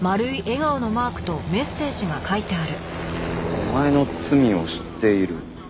「お前の罪を知っている」